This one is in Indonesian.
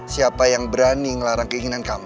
siapa yang berani ngelarang keinginan kami